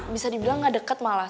bisa dibilang gak deket malah